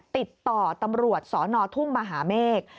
ติดต่อตำรวจสนทุ่งมหาเมฆ